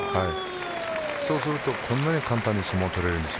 そうするとこんなに簡単に相撲が取れるんですよ。